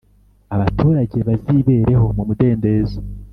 abaturage bazibereho mu mudendezo.